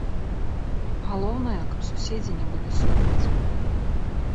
Галоўнае, каб суседзі не былі супраць.